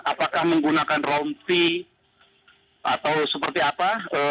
apakah menggunakan rompi atau seperti apa